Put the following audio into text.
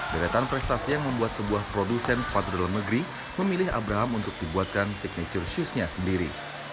deretan prestasi yang membuat sebuah produsen sepatu dalam negeri memilih abraham untuk dibuatkan signature shoesnya sendiri